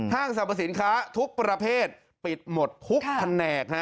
สรรพสินค้าทุกประเภทปิดหมดทุกแผนก